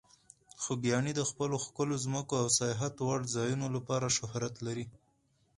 خوږیاڼي د خپلو ښکلو ځمکو او سیاحت وړ ځایونو لپاره شهرت لري.